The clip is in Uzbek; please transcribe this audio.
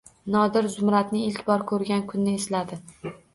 Nodir Zumradni ilk bor ko‘rgan kunni esladi.